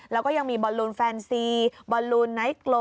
แล้วก็ยังมีบอลลูนแฟนซีบอลลูนไนท์โล